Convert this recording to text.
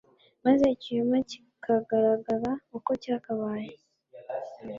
maze ikinyoma kikagaragara uko cyakabaye